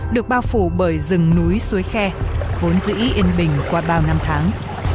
được bao phủ bởi rừng núi suối khe vốn dĩ yên bình qua bao năm tháng